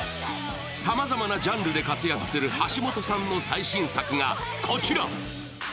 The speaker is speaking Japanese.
さまざまなジャンルで活躍する橋本さんの最新作がこちら。